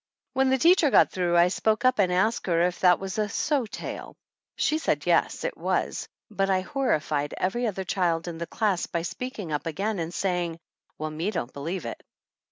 When the teacher got through I spoke up and asked her if that was a "so tale." She said yes, it was, but I horrified every other child in the class by speaking up again and saying, "Well, me don't believe it!"